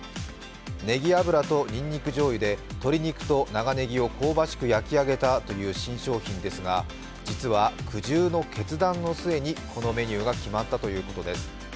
ねぎ油とにんにくじょうゆで鶏肉と長ねぎを香ばしく焼き上げたという新商品ですが、実は苦渋の決断の末にこのメニューが決まったということです。